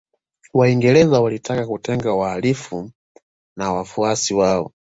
Waingereza walitaka kutenga wahalifu na wafuasi wao